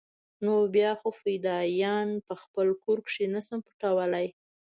نو بيا خو فدايان په خپل کور کښې نه شم پټولاى.